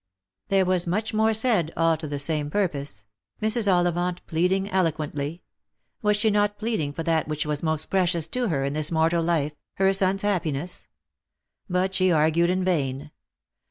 There was much more said, all to the same purpose; Mrs. Ollivant pleading eloquently. Was she not pleading for that which was most precious to her in this mortal life — her son's happiness? But she argued in vain.